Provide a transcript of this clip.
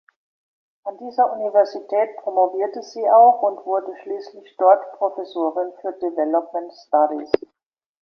An dieser Universität promovierte sie auch und wurde schließlich dort Professorin für Development Studies.